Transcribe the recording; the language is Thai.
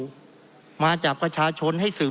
เพราะเรามี๕ชั่วโมงครับท่านนึง